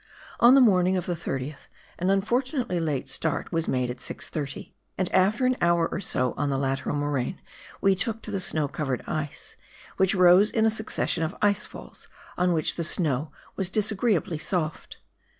On the morning of the 30th an unfortunately late start was made at 6"30, and after an hour or so on the lateral moraine, we took to the snow covered ice, which rose in a succession of ice falls, on which the snow was disagreeably soft.